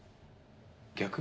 逆？